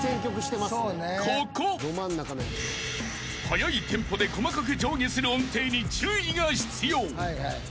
［速いテンポで細かく上下する音程に注意が必要］